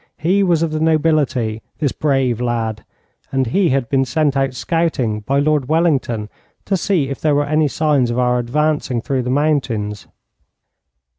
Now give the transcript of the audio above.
He was of the nobility, this brave lad, and he had been sent out scouting by Lord Wellington to see if there were any signs of our advancing through the mountains.